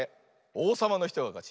おうさまのひとがかち。